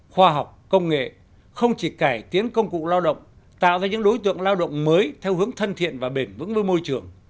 khoa học công nghệ không chỉ cải tiến công cụ lao động tạo ra những đối tượng lao động mới theo hướng thân thiện và bền vững với môi trường